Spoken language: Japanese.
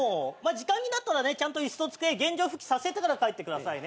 時間になったらねちゃんと椅子と机原状復帰させてから帰ってくださいね。